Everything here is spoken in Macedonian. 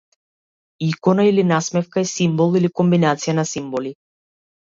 Икона или насмевка е симбол или комбинација на симболи.